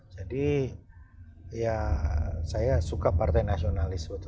jadi ya saya suka partai nasionalis